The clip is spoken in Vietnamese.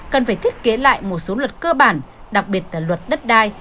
cần phải thiết kế lại một số luật cơ bản đặc biệt là luật đất đai